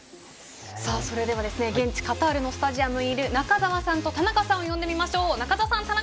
では、現地カタールのスタジアムにいる中澤さんと田中さんを呼んでみましょう。